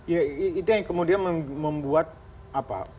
ya itu yang kemudian membuat apa